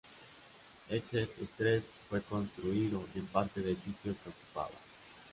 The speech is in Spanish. Essex Street fue construido en parte del sitio que ocupaba.